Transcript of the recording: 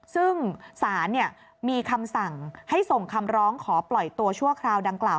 ซึ่งสารมีคำสั่งให้ส่งคำร้องขอปล่อยตัวชั่วคราวดังกล่าว